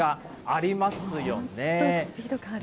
本当、スピード感ある。